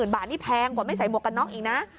บาทนี่แพงกว่าไม่ใส่หมวกกันน็อกอีกนะ